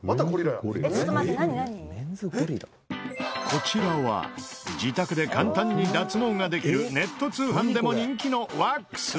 こちらは自宅で簡単に脱毛ができるネット通販でも人気のワックス。